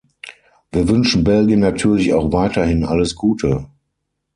Wir wünschen Belgien natürlich auch weiterhin alles Gute.